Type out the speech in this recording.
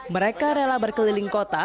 mereka rela berkeliling kota